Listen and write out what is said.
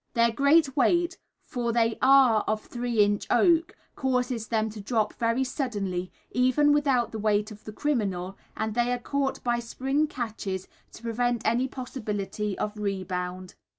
Their great weight for they are of three inch oak causes them to drop very suddenly, even without the weight of the criminal, and they are caught by spring catches to prevent any possibility of rebound.